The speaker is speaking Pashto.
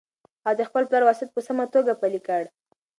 هغه د خپل پلار وصیت په سمه توګه پلي کړ.